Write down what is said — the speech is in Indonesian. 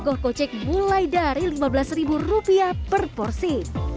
goh kocek mulai dari lima belas rupiah per porsi